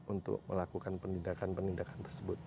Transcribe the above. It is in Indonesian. untuk melakukan penindakan penindakan tersebut